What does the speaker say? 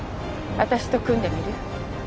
私と組んでみる？